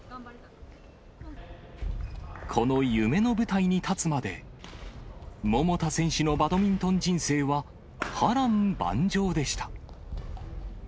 この夢の舞台に立つまで、桃田選手のバドミントン人生は、波乱万丈でした。